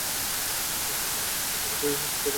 এর মাধ্যমে সঙ্গীত জগতে তিনি পদার্পণ করেছিলেন।